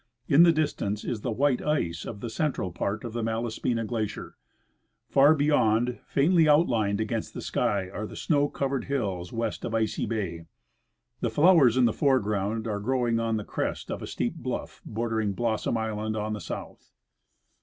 In the distance is the white ice of the central part of the Malaspina glacier. Far be yond, faintly outlined against the sky, are the snow covered hills west of Icy bay. The flowers in the foreground are growing on the crest of the steep bluff bordering Blossom island on the south.